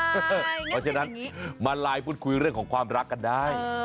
เพราะฉะนั้นมาไลน์พูดคุยเรื่องของความรักกันได้